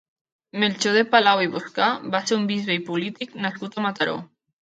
Melcior de Palau i Boscà va ser un bisbe i polític nascut a Mataró.